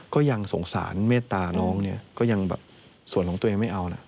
ก็ยังสงสารเมตตาน้องเนี่ยก็ยังแบบส่วนของตัวเองไม่เอานะ